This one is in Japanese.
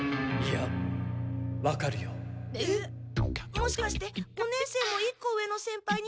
もしかして五年生も１個上の先輩にひどい目に。